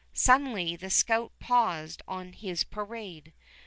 Suddenly the scout paused on his parade.